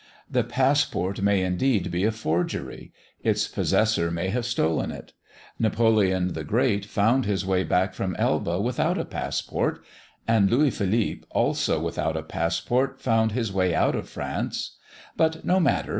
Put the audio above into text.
The passport may, indeed, be a forgery: its possessor may have stolen it. Napoleon the Great found his way back from Elba without a passport; and Louis Philippe, also without a passport, found his way out of France; but no matter!